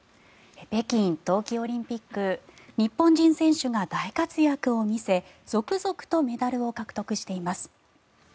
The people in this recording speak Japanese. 北京冬季オリンピック日本人選手が大活躍を見せ続々とメダルを獲得しています。